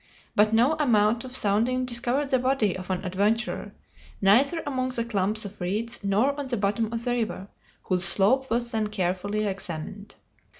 But no amount of sounding discovered the body of the adventurer, neither among the clumps of reeds nor on the bottom of the river, whose slope was then carefully examined.